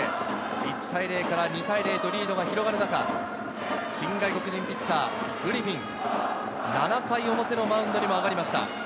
１対０から２対０へとリードが広がる中、新外国人ピッチャーのグリフィン、７回表のマウンドにも上がりました。